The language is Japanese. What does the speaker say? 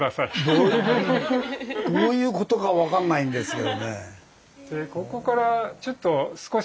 どういうことか分かんないんですけどね。